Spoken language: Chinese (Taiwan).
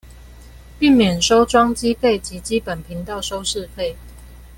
並免收裝機費及基本頻道收視費